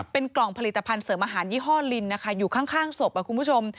เป็นกล่องผลิตภัณฑ์เสริมอาหารยี่ห้อลินนะคะอยู่ข้างศพคุณผู้ชม